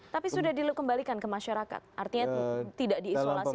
tapi sudah diluk kembalikan ke masyarakat artinya tidak diisolasi